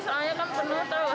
soalnya kan penuh tahu